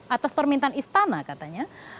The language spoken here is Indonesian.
atas permintaan istana katanya